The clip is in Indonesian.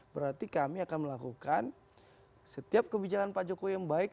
berarti kami akan melakukan setiap kebijakan pak jokowi yang baik